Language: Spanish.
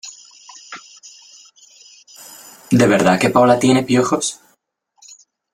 ¿De verdad que Paula tiene piojos?